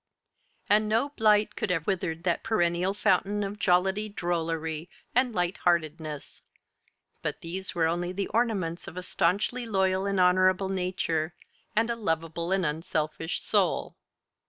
And no blight could have withered that perennial fountain of jollity, drollery, and light heartedness. But these were only the ornaments of a stanchly loyal and honorable nature, and a lovable and unselfish soul.